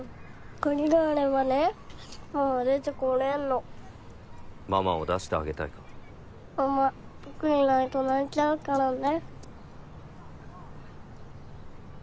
鍵があればねママ出てこれんのママを出してあげたいかママ僕いないと泣いちゃうからね